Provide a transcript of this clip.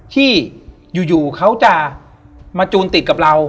ที่อยู่เขาจะมาจูนติดกับเรา